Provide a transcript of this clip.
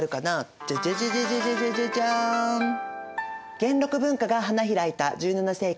元禄文化が花開いた１７世紀。